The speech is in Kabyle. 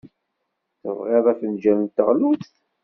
Tebɣiḍ afenjal n teɣlust?